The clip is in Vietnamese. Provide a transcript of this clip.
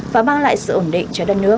và mang lại sự ổn định cho đất nước